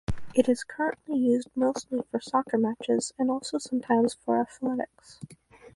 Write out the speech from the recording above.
It is currently used mostly for soccer matches and also sometimes for athletics.